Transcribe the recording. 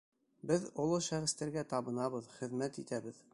Беҙ оло шәхестәргә табынабыҙ, хеҙмәт итәбеҙ.